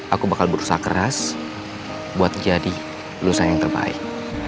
aku bakal berusaha keras buat jadi lulusan yang terbaik